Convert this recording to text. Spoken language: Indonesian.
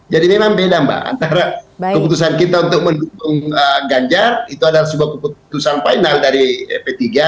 jadi ini nampil dah mbak antara keputusan kita untuk mendukung ganjar itu adalah sebuah keputusan final dari p tiga